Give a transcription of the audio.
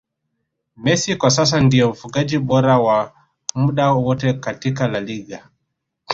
Messi kwa sasa ndiye mfungaji bora wa muda wote katika La Liga